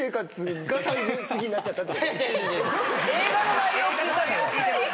映画の内容聞いたのよ。